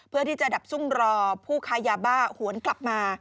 เพื่อที่จะดับซุ่มรอผู้ค้ายาบ้าหวนกลับมา